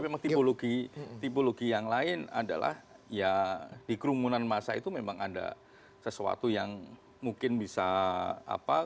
memang tipologi yang lain adalah ya di kerumunan masa itu memang ada sesuatu yang mungkin bisa apa